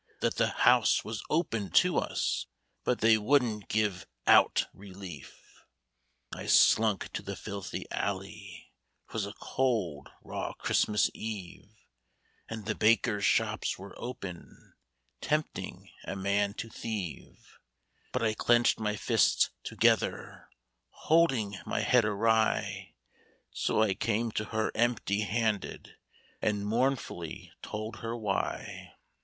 That ' the House * was open to us, But they wouldn't give * out relief/ *' I slunk to the filthy alley ^ 'Twas a cold, raw Christmas eve — And the bakers' shops were open, Tempting a man to thieve ; But I clenched my fists together, Holding my head awry, So I come to her empty handed. And mournfully told her why.